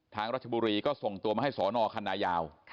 รัชบุรีก็ส่งตัวมาให้สนคันนายาว